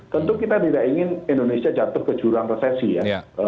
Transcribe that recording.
tentu kita tidak ingin indonesia jatuh ke jurang resesi ya